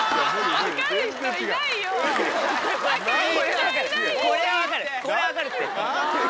分かる人いないでしょ？